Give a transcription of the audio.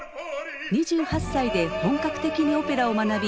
２８歳で本格的にオペラを学び